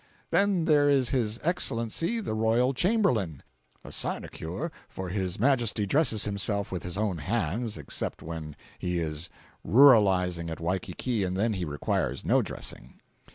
Then there is his Excellency the "royal Chamberlain"—a sinecure, for his majesty dresses himself with his own hands, except when he is ruralizing at Waikiki and then he requires no dressing.